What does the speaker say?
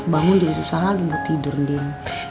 bangun jadi susah lagi mau tidur nin